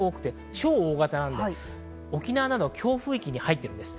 超大型なので沖縄など強風域に入っています。